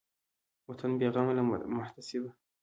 وطن بېغمه له محتسبه